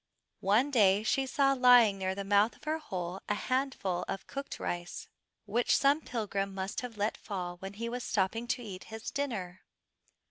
One day she saw lying near the mouth of her hole a handful of cooked rice which some pilgrim must have let fall when he was stopping to eat his dinner.